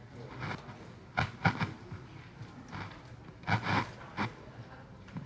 ข้างข้างไม่ได้ข้างข้างไม่ได้